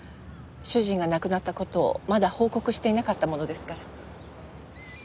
主人が亡くなった事をまだ報告していなかったものですから。